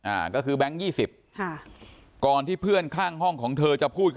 อ่าก็คือแบงค์ยี่สิบค่ะก่อนที่เพื่อนข้างห้องของเธอจะพูด